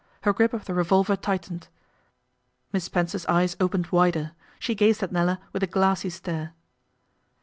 Her grip of the revolver tightened. Miss Spencer's eyes opened wider; she gazed at Nella with a glassy stare.